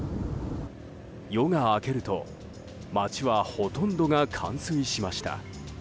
夜が明けると町は、ほとんどが冠水しました。